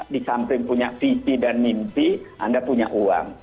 di samping punya visi dan mimpi anda punya uang